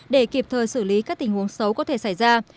để kịp thời xử lý các tình huống xấu có thể xảy ra